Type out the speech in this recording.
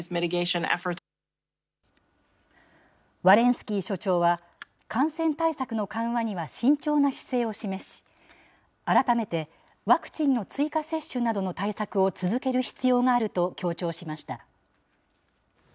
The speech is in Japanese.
ワレンスキー所長は感染対策の緩和には慎重な姿勢を示し、改めてワクチンの追加接種などの対策を続ける必要があると強調しました。